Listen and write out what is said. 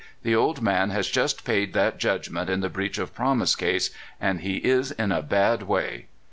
The old man has just paid that judgment in the breach of promise case, and he is in a bad way."